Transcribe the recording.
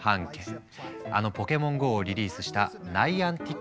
あの「ポケモンＧＯ」をリリースしたナイアンティック社のＣＥＯだ。